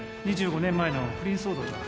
２５年前の不倫騒動が